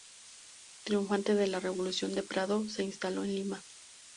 Triunfante la revolución de Prado, se instaló en Lima.